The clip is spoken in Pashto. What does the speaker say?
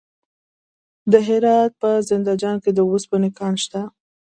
د هرات په زنده جان کې د وسپنې کان شته.